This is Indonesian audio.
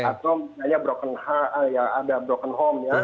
atau misalnya ada broken home ya